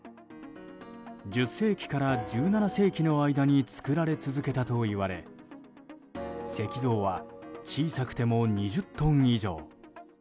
１０世紀から１７世紀の間に作られ続けたといわれ石像は小さくても２０トン以上。